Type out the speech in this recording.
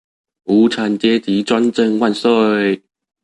無產階級專政萬歲！